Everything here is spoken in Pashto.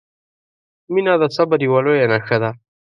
• مینه د صبر یوه لویه نښه ده.